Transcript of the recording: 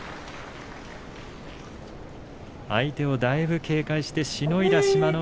相手を、だいぶ警戒してしのいだ志摩ノ